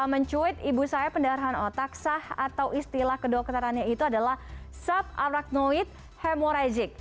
mencuit ibu saya pendarahan otak sah atau istilah kedokterannya itu adalah subarachnoid hemorrhagic